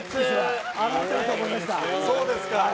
そうですか。